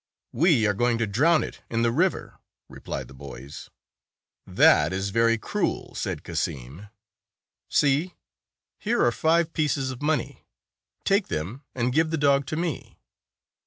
" "We are going to drown it in the river," replied the boys. "That is very cruel," said Cassim. "See, 177 here are five pieces of money; take them, and give the dog to me."